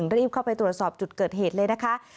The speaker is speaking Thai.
รีบเข้าไปตรวจสอบจุดเกิดเหตุเลยนะคะ